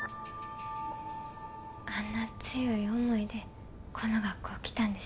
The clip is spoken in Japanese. あんな強い思いでこの学校来たんですね。